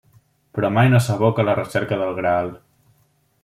Però mai no s'evoca la recerca del Graal.